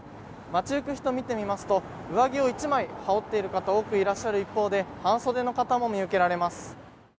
町行く人を見てみますと上着を一枚羽織っている方多くいらっしゃる一方で半袖の方も見受けられます。